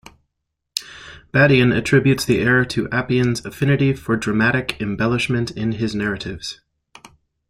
Badian attributes the error to Appian's affinity for dramatic embellishment in his narratives.